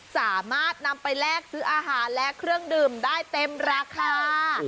สามารถนำไปแลกซื้ออาหารและเครื่องดื่มได้เต็มราคา